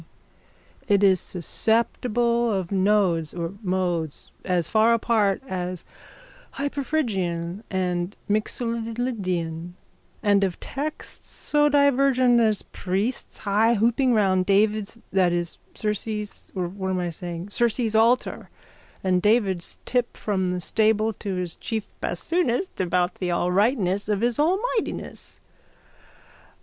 _ It is susceptible of nodes or modes as far apart as hyperphrygian and mixolydian and of texts so divergent as priests haihooping round David's that is Circe's or what am I saying Ceres' altar and David's tip from the stable to his chief bassoonist about the alrightness of his almightiness.